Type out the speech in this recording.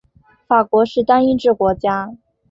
法国是单一制国家。